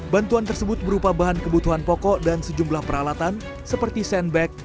bantuan tersebut berupa bahan kebutuhan pokok dan sejumlah peralatan seperti sandbag sekop cangkuk dan kain